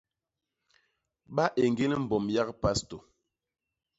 Ba éñgél mbom yak pastô.